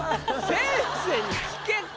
先生に聞けって。